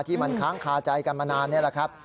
ที่มันค้างคาใจกันมานานนี่แหละครับ